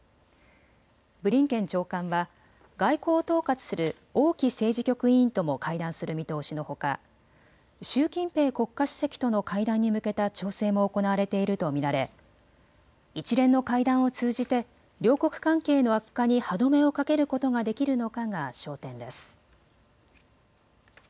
ブリンケン長官は外交を統括する王毅政治局委員とも会談する見通しのほか習近平国家主席との会談に向けた調整も行われていると見られ一連の会談を通じて両国関係の悪化に歯止めをかけることができるのかが焦点です。